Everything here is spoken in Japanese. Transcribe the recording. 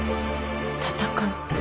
戦う。